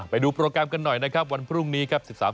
ไปดูโปรแกรมกันหน่อยนะครับวันพรุ่งนี้ครับ